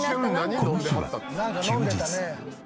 この日は休日。